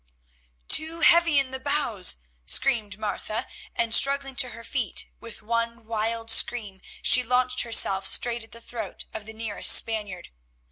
"Too heavy in the bows," screamed Martha, and struggling to her feet, with one wild scream she launched herself straight at the throat of the nearest Spaniard.